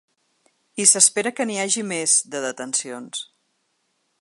I s’espera que n’hi hagi més, de detencions.